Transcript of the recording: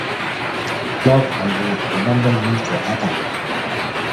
Love, I will remember you forever.